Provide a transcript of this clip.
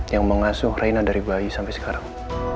yang mengasuh reina dari bayi sampai sekarang